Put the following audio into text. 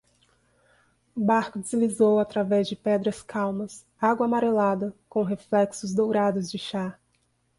O barco deslizou através de pedras calmas, água amarelada, com reflexos dourados de chá.